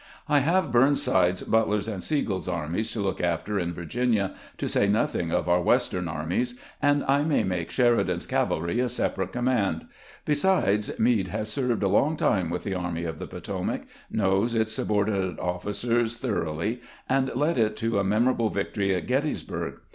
I have Burnside's, Butler's, and Sigel's armies to look after in Virginia, to say nothing of our Western armies, and I may make Sheridan's cavalry a separate command. Besides, Meade has served a long time with the Army of the Potomac, knows its subordinate officers thor oughly, and led it to a memorable victory at Gettysburg.